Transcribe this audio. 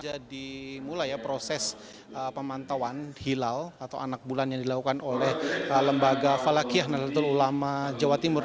jadi mulai proses pemantauan hilal atau anak bulan yang dilakukan oleh lembaga falakianadatul ulama jawa timur